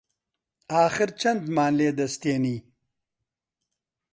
ئاخر چەندمان لێ دەستێنی؟